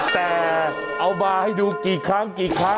แต่เอามาให้ดูกี่ครั้ง